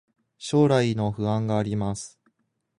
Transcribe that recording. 将来の不安があります